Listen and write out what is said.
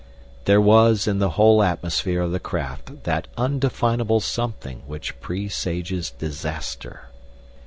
There was in the whole atmosphere of the craft that undefinable something which presages disaster.